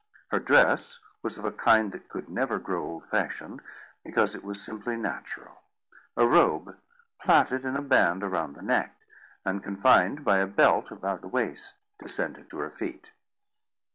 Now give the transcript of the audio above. Her dress was of a kind that could never grow old fashioned, because it was simply natural: a robe plaited in a band around the neck, and confined by a belt about the waist, descended to her feet.